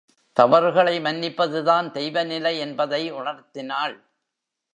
தவறுகளை மன்னிப்பதுதான் தெய்வநிலை என்பதை உணர்த்தினாள்.